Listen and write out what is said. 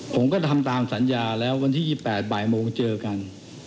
ผมก็ทำตามสัญญาแล้ววันที่๒๘บ่ายโมงเจอกัน